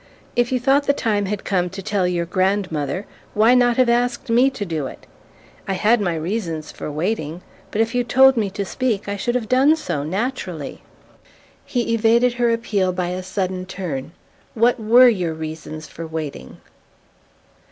If you thought the time had come to tell your grandmother, why not have asked me to do it? I had my reasons for waiting; but if you'd told me to speak I should have done so, naturally." He evaded her appeal by a sudden turn. "What WERE your reasons for waiting?"